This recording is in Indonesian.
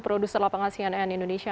produser lapangan cnn indonesia